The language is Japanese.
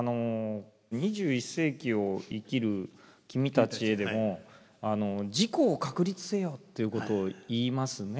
「二十一世紀に生きる君たちへ」でも「自己を確立せよ」ということを言いますね。